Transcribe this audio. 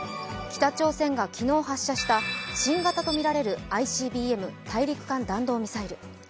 北朝鮮が昨日発射した新型とみられるＩＣＢＭ＝大陸間弾道ミサイル。